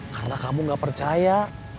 karena kamu gak percaya